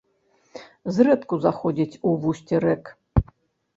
Зрэдку заходзіць у вусці рэк.